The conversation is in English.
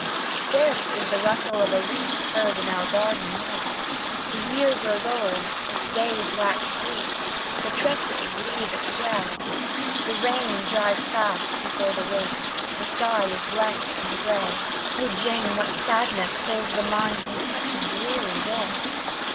"Scarce is the rustle of a leaf Heard in our garden now; The year grows old, its days wax brief, The tresses leave its brow. The rain drives fast before the wind, The sky is blank and grey; O Jane, what sadness fills the mind On such a dreary day!"